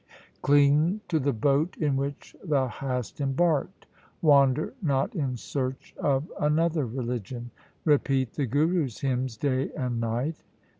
Cling to the boat in which thou hast embarked. Wander not in search of another religion. Repeat the Gurus' hymns day and night.